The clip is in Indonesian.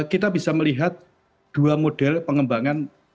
kita bisa melihat dua model pengembangan